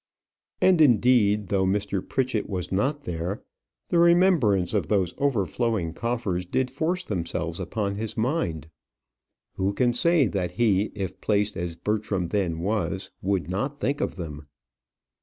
And, indeed, though Mr. Pritchett was not there, the remembrance of those overflowing coffers did force themselves upon his mind. Who can say that he, if placed as Bertram then was, would not think of them?